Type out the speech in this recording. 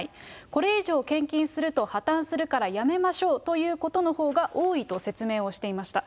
これ以上献金すると破綻するからやめましょうということのほうが多いと説明をしていました。